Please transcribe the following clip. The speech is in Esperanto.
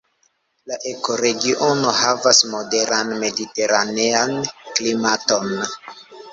La ekoregiono havas moderan mediteranean klimaton.